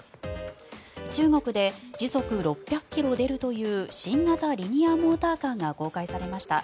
中国で時速６００ｋｍ出るという新型リニアモーターカーが公開されました。